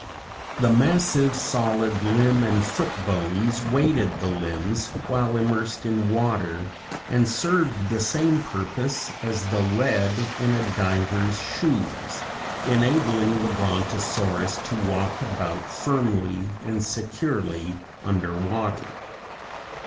The massive, solid limb and foot bones weighted the limbs while immersed in water, and served the same purpose as the lead in a diver's shoes, enabling the Brontosaurus to walk about firmly and securely under water.